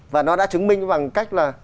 và nó đã chứng minh bằng cách là